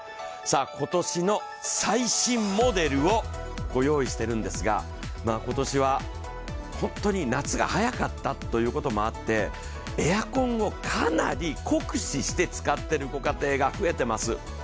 今年の最新モデルをご用意してるんですが、今年は本当に夏が早かったということもあってエアコンをかなり酷使して使っているご家庭が増えています。